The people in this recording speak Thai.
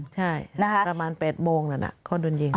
ใช่ประมาณ๘โมงหนึ่งเขาโดนยิง